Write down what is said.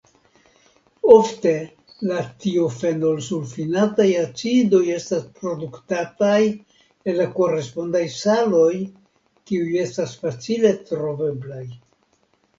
Ofte la tiofenosulfinataj acidoj estas produktataj el la korespondaj saloj kiuj estas facile troveblaj.